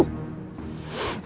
oh pantas kamu hebat